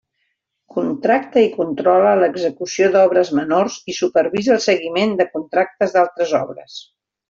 Contracta i controla l'execució d'obres menors i supervisa el seguiment de contractes d'altres obres.